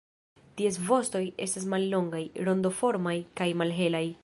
Ties vostoj estas mallongaj, rondoformaj kaj malhelaj.